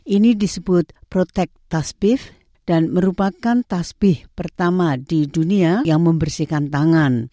ini disebut protek tasbih dan merupakan tasbih pertama di dunia yang membersihkan tangan